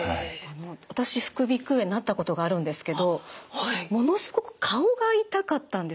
私副鼻腔炎なったことがあるんですけどものすごく顔が痛かったんですよ。